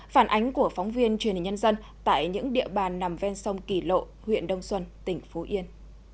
phản ánh của phóng viên truyền hình nhân dân tại những địa bàn nằm ven sông kỳ lộ huyện đông xuân tỉnh phú yên